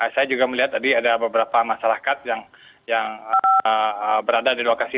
saya juga melihat tadi ada beberapa masyarakat yang berada di lokasi